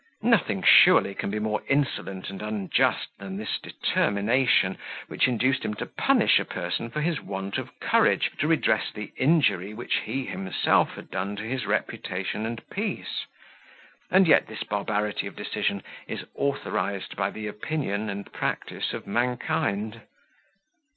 Nothing surely can be more insolent and unjust than this determination, which induced him to punish a person for his want of courage to redress the injury which he himself had done to his reputation and peace; and yet this barbarity of decision is authorised by the opinion and practice of mankind.